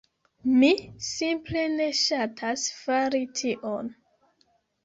mi simple ne ŝatas fari tion.